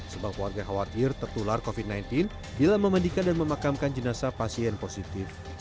sebab warga khawatir tertular covid sembilan belas bila memandikan dan memakamkan jenazah pasien positif